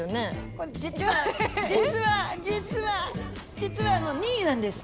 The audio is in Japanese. これ実は実は実は実は２位なんです。